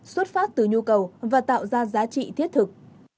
xuất phát từ nhu cầu và tạo ra giá trị thiết thực